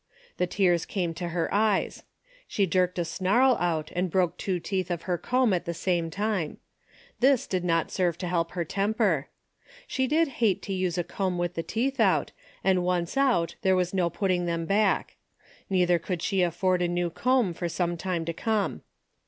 The tears came to her eyes. She jerked a snarl out and broke two teeth of her comb at the same time. This did not serve to help her temper. She did hate to use a comb with the teeth out and once out there was no putting them back. Neither could she afford a new comb for some time to come.